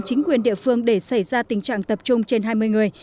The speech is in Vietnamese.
chính quyền địa phương để xảy ra tình trạng tập trung trên hai mươi người